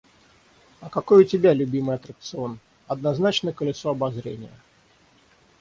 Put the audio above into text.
«А какой у тебя любимый аттракцион?» — «Одназначно колесо обозрения!»